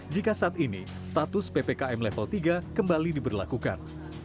jika saat ini status ppkm level tiga kembali diberlakukan